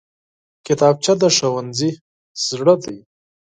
کتابچه د ښوونځي زړه دی